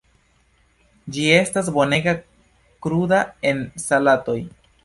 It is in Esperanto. Ĝi estas bonega kruda en salatoj.